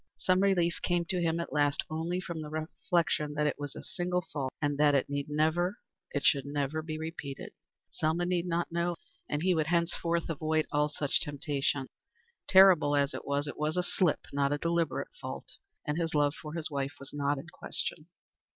Some relief came to him at last only from the reflection that it was a single fault, and that it need never it should never be repeated. Selma need not know, and he would henceforth avoid all such temptations. Terrible as it was, it was a slip, not a deliberate fault, and his love for his wife was not in question.